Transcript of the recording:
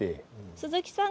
鈴木さん